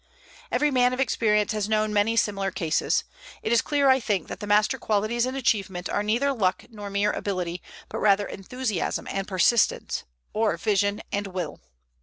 Every man of experience has known many similar cases. It is clear, I think, that the master qualities in achievement are neither luck nor mere ability, but rather enthusiasm and persistence, or vision and will.